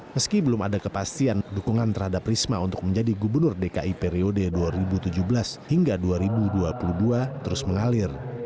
meski belum ada kepastian dukungan terhadap risma untuk menjadi gubernur dki periode dua ribu tujuh belas hingga dua ribu dua puluh dua terus mengalir